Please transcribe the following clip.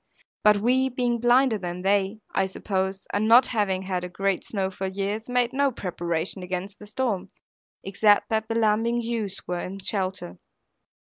But we, being blinder than they, I suppose, and not having had a great snow for years, made no preparation against the storm, except that the lambing ewes were in shelter.